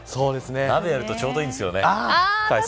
鍋やるとちょうどいいんですよね。